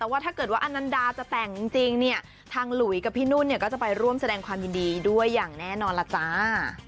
ว่าถ้าเกิดว่าอนันดาจะแต่งจริงเนี่ยทางหลุยกับพี่นุ่นเนี่ยก็จะไปร่วมแสดงความยินดีด้วยอย่างแน่นอนล่ะจ้า